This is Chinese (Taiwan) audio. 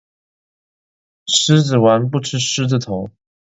獅子丸不吃獅子頭